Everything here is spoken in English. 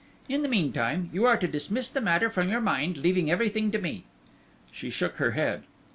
In the meantime you are to dismiss the matter from your mind, leaving everything to me." She shook her head.